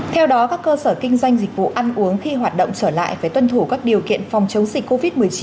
theo đó các cơ sở kinh doanh dịch vụ ăn uống khi hoạt động trở lại phải tuân thủ các điều kiện phòng chống dịch covid một mươi chín